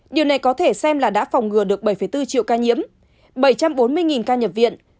điều này có thể xem là đã phòng ngừa được bảy bốn triệu ca nhiễm bảy trăm bốn mươi ca nhập viện